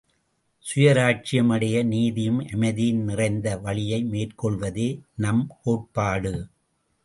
சுயராஜ்யம் அடைய நீதியும் அமைதியும் நிறைந்த வழியை மேற்கொள்வதே நம் கோட்பாடு.